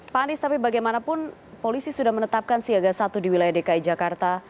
pak anies tapi bagaimanapun polisi sudah menetapkan siaga satu di wilayah dki jakarta